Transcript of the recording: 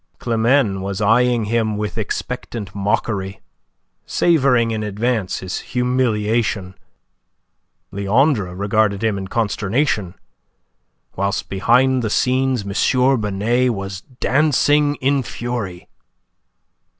Climene was eyeing him with expectant mockery, savouring in advance his humiliation; Leandre regarded him in consternation, whilst behind the scenes, M. Binet was dancing in fury.